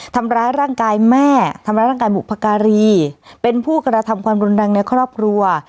ทำร้ายร่างกายแม่ทำร้ายร่างกายบุพการีเป็นผู้กระทำความรุนแรงในครอบครัว